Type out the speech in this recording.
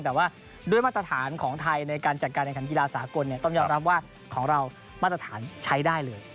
แต่ว่าด้วยมาตรฐานของไทยในการจัดการแข่งขันกีฬาสากลต้องยอมรับว่าของเรามาตรฐานใช้ได้เลย